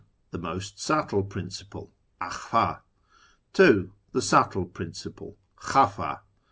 The most subtle principle {Akhf<7). 2. The subtle principle (Khafa).